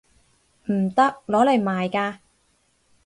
唔得！攞嚟賣㗎